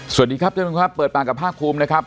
สวัสดีครับท่านผู้ชมครับเปิดปากกับภาคภูมินะครับ